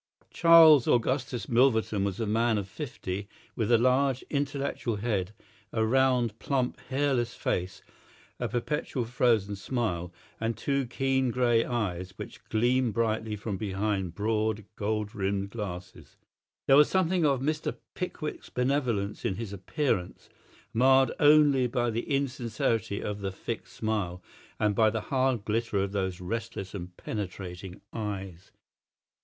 Charles Augustus Milverton was a man of fifty, with a large, intellectual head, a round, plump, hairless face, a perpetual frozen smile, and two keen grey eyes, which gleamed brightly from behind broad, golden rimmed glasses. There was something of Mr. Pickwick's benevolence in his appearance, marred only by the insincerity of the fixed smile and by the hard glitter of those restless and penetrating eyes.